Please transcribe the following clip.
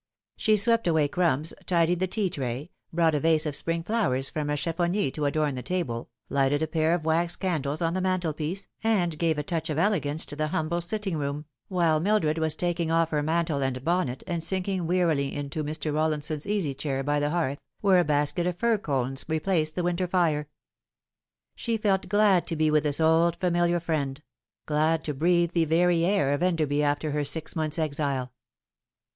She swept away crumbs, tidied the tea tray, brought a vase of spring flowers from a cheffonier to adorn the table, lighted a pair of wax candles on the mantelpiece, and gave a touch of elegance to the humble sitting room, while Mildred was taking off her mantle and bonnet, and sinking wearily into Mr. Rollinson's easy chair by the hearth, where a basket of fir cones replaced the winter fire. She felt glad to be with this old familiar friend glad to breathe the very air of Enderby after her six months' exile.